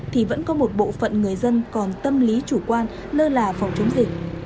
thì vẫn có một bộ phận người dân còn tâm lý chủ quan lơ là phòng chống dịch